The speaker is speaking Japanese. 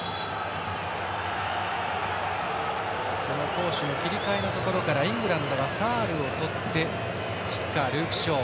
攻守の切り替えのところからイングランドがファウルをとってキッカーはルーク・ショー。